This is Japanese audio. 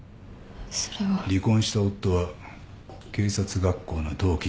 離婚した夫は警察学校の同期だな。